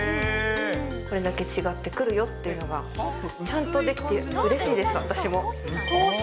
これだけ違ってくるよっていうのが、ちゃんとできてうれしいです、私も。